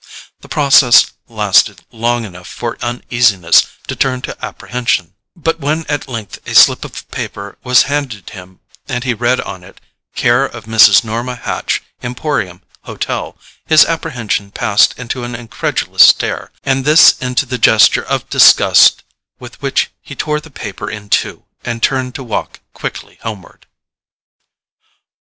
The process lasted long enough for uneasiness to turn to apprehension; but when at length a slip of paper was handed him, and he read on it: "Care of Mrs. Norma Hatch, Emporium Hotel," his apprehension passed into an incredulous stare, and this into the gesture of disgust with which he tore the paper in two, and turned to walk quickly homeward.